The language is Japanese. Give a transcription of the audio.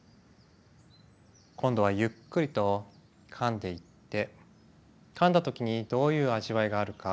今度はゆっくりとかんでいってかんだ時にどういう味わいがあるか